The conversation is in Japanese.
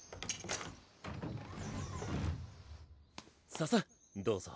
ささっどうぞ。